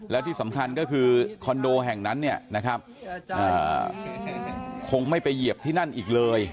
และที่สำคัญก็คือคอนโดแห่งนั้นคงไม่ไปเหยียบที่นั่นอีกเลย